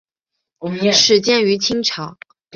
始建于清朝。